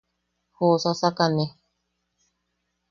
Joʼosasakane.